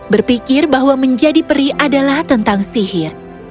berpikir bahwa menjadi peri adalah tentang sihir